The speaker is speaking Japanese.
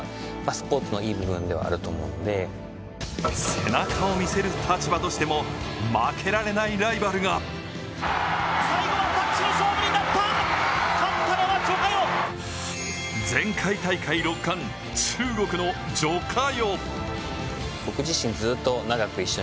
背中を見せる立場としても負けられないライバルが前回大会６冠、中国の徐嘉余。